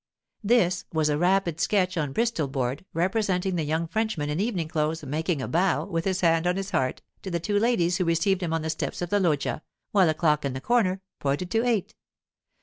'This' was a rapid sketch on bristol board, representing the young Frenchman in evening clothes making a bow, with his hand on his heart, to the two ladies, who received him on the steps of the loggia, while a clock in the corner pointed to eight.